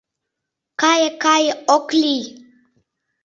— Кае, кае, ок лий!..